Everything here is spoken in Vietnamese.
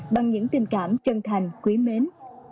bằng những tình cảm chân thành quý mến